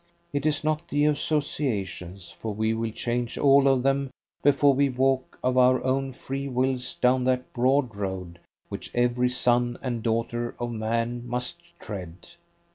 It is not the associations, for we will change all of them before we walk of our own free wills down that broad road which every son and daughter of man must tread.